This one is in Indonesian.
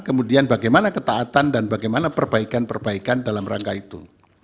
kemudian bagaimana ketaatan dan bagaimana perbaikan perbaikan dalam rangka itu